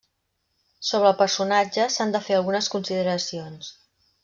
Sobre el personatge, s'han de fer algunes consideracions.